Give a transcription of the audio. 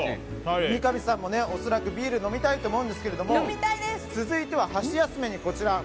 三上さんも恐らくビールが飲みたいと思うんですけども続いては箸休めにこちら。